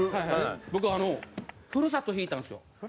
僕『ふるさと』弾いたんですよ。